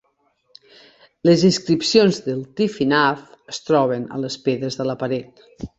Les inscripcions de Tifinagh es troben a les pedres de la paret.